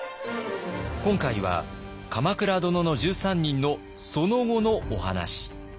今回は「鎌倉殿の１３人」のその後のお話。